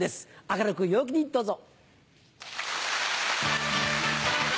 明るく陽気にどうぞ。